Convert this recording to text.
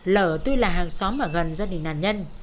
lở tuy là hàng xóm ở gần gia đình nạn nhân